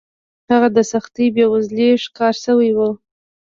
هغه د سختې بېوزلۍ ښکار شوی و.